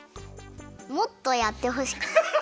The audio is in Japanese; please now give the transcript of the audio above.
もっとやってほしかった。